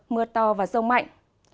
mưa to và rông mạnh